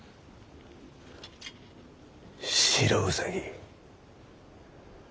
白兎。